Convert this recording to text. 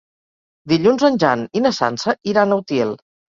Dilluns en Jan i na Sança iran a Utiel.